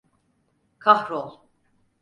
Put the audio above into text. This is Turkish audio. Kahrol!